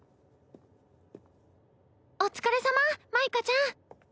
お疲れさま舞花ちゃん。